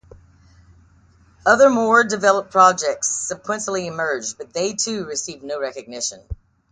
Other, more developed projects subsequently emerged, but they, too, received no recognition.